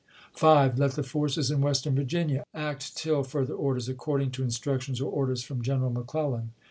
5. Let the forces in Western Vhginia act tOl further orders according to instructions or orders from General McClellan.